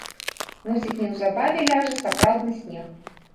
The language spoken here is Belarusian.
Мусіць, неўзабаве ляжа сапраўдны снег.